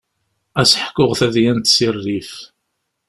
Ad ak-ḥkuɣ tadyant si rrif.